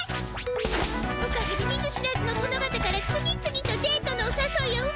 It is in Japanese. おかげで見ず知らずのとの方から次々とデートのおさそいを受け